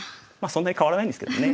そんなに変わらないんですけどね。